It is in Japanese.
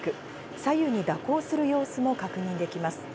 左右に蛇行する様子も確認できます。